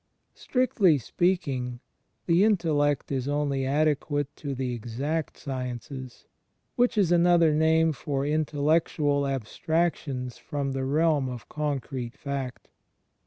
Strictly speaking the intellect is only adequate to the "exact sciences," which is another name for intellectual abstractions from the realm of concrete fact.